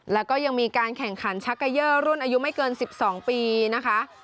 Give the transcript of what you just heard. แล้วก็ยังมีการแข่งขันชักเกยอร์รุ่นอายุไม่เกิน๑๒ปีนะคะ